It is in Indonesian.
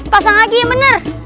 pasang lagi ya bener